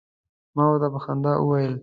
ما ورته په خندا وویل.